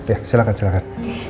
ya silahkan silahkan